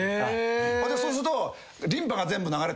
そうすると。